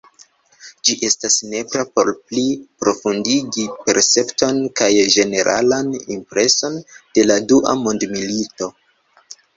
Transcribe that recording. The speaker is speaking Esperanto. Ĝi estas nepra por pli profundigi percepton kaj ĝeneralan impreson de la dua mondmilito.